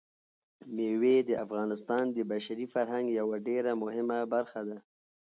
مېوې د افغانستان د بشري فرهنګ یوه ډېره مهمه برخه ده.